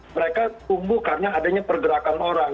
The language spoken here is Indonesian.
mereka tumbuh karena adanya pergerakan orang